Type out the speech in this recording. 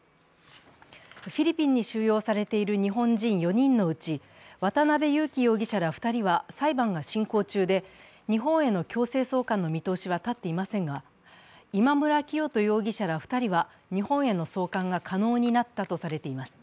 フィリピンに収容されている日本人４人のうち渡辺優樹容疑者ら２人は裁判が進行中で、日本への強制送還の見通しは立っていませんが、今村磨人容疑者ら２人は日本への送還が可能になったとされています。